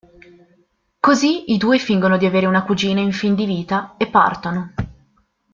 Così i due fingono di avere una cugina in fin di vita e partono.